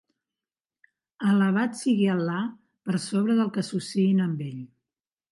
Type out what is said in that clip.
Alabat sigui Al·là per sobre del que associïn amb Ell.